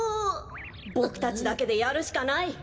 ボクたちだけでやるしかない！